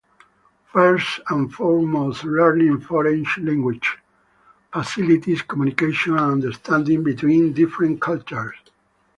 First and foremost, learning foreign languages facilitates communication and understanding between different cultures.